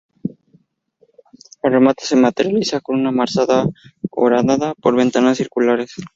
El remate se materializa con una mansarda horadada por ventanas circulares.